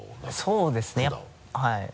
そうですねはい。